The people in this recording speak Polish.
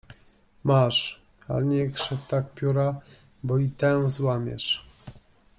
— Masz, ale nie krzyw tak pióra, bo i tę złamiesz.